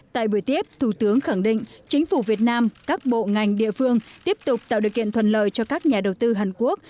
tại buổi tiếp thủ tướng khẳng định chính phủ việt nam các bộ ngành địa phương tiếp tục tạo điều kiện thuận lợi cho các nhà đầu tư hàn quốc